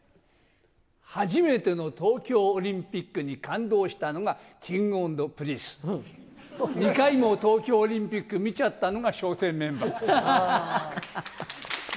初めての東京オリンピックに感動したのがＫｉｎｇ＆Ｐｒｉｎｃｅ、２回も東京オリンピック見ちゃったのが笑点メンバー。